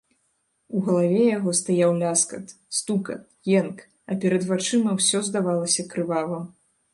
У галаве яго стаяў ляскат, стукат, енк, а перад вачыма ўсё здавалася крывавым.